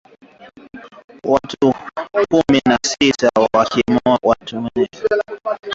Watu kumi na sita wakiwemo wanajeshi tisa walifikishwa mahakamani siku ya Jumatatu nchini Jamhuri ya Kidemokrasi ya Kongo.